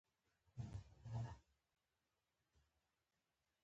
مشروطیت غورځنګ بېسارې او بې جوړې دوره وه.